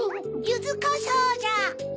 ゆずこしょうじゃ！